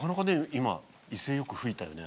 今威勢よく噴いたよね。